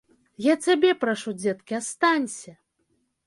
Я цябе прашу, дзеткі, астанься!